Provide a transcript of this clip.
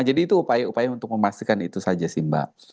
itu upaya upaya untuk memastikan itu saja sih mbak